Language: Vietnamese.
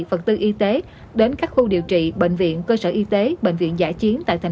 phần tư y tế đến các khu điều trị bệnh viện cơ sở y tế bệnh viện giải chiến tại tp hcm